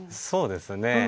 そうですね。